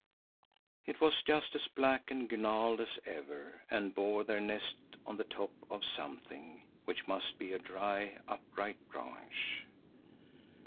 It was just as black and gnarled as ever and bore their nest on the top of something, which must be a dry, upright branch.